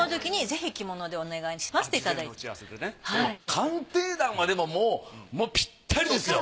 「鑑定団」はでももうピッタリですよ。